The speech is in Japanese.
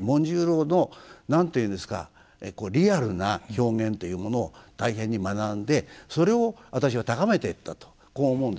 紋十郎の何て言うんですかリアルな表現というものを大変に学んでそれを私は高めていったとこう思うんですよね。